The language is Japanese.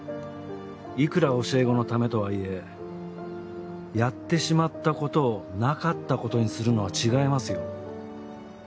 いくら教え子のためとはいえやってしまったことをなかったことにするのは違いますよ。